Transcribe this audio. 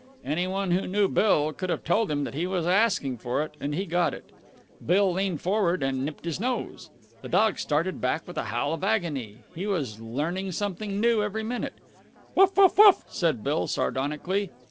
Any one who knew Bill could have told him that he was asking for it, and he got it. Bill leaned forward and nipped his nose. The dog started back with a howl of agony. He was learning something new every minute. "Woof woof woof!" said Bill sardonically.